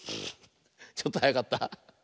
ちょっとはやかった？